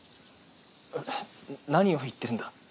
えっ何を言ってるんだ？